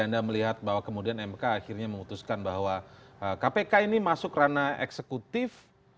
anda melihat bahwa kemudian mk akhirnya memutuskan bahwa kpk ini masuk ranah eksekutif